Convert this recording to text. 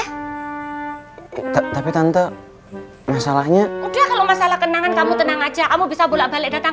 hai tapi tante masalahnya udah kalau masalah kenangan kamu tenang aja kamu bisa bulat balik datang